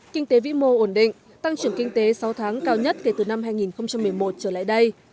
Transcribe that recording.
kinh tế vĩ mô ổn định tăng trưởng kinh tế sáu tháng cao nhất kể từ năm hai nghìn một mươi một trở lại đây